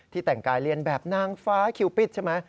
แต่งกายเรียนแบบนางฟ้าคิวปิดใช่ไหม